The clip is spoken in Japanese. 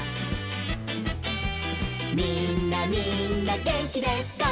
「みんなみんなげんきですか？」